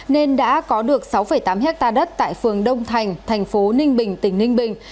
nên đã có được sáu tám hectare đất tại phường đông thành thành phố ninh bình tỉnh ninh bình